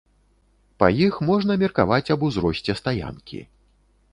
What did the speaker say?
Па іх можна меркаваць аб узросце стаянкі.